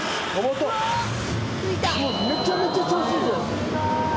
めちゃめちゃ調子いい。